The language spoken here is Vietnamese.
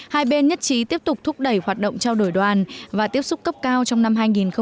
hai bên nhất trí tiếp tục thúc đẩy hoạt động trao đổi đoàn và tiếp xúc cấp cao trong năm hai nghìn hai mươi